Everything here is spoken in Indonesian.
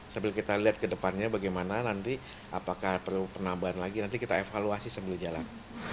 sambil kita lihat ke depannya bagaimana nanti apakah perlu penambahan lagi nanti kita evaluasi sebelum jalan